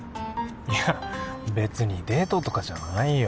いや別にデートとかじゃないよ